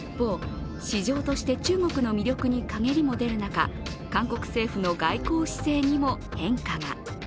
一方、市場として中国の魅力に陰りも出る中、韓国政府の外交姿勢にも変化が。